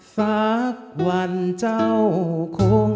ฟักวันเจ้าเย็น